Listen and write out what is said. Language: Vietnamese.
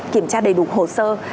kiểm tra đầy đủ hồ sơ